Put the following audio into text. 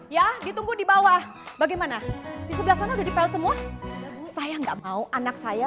yang bener dong sikatnya